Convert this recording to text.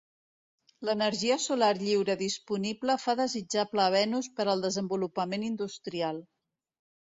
L'energia solar lliure disponible fa desitjable a Venus per al desenvolupament industrial.